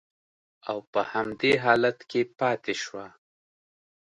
او په همدې حالت کې پاتې شوه